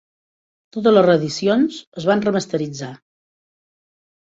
Totes les reedicions es van remasteritzar.